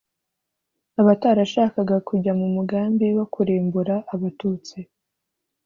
abatarashakaga kujya mu mugambi wo kurimbura abatutsi